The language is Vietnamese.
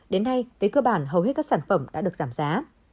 đến nay về cơ bản hầu hết các sản phẩm đã được giảm giá